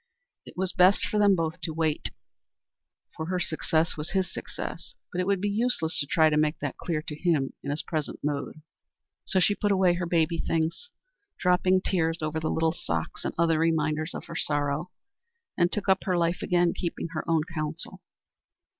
It was best for them both to wait, for her success was his success; but it would be useless to try to make that clear to him in his present mood. So she put away her baby things, dropping tears over the little socks and other reminders of her sorrow, and took up her life again, keeping her own counsel.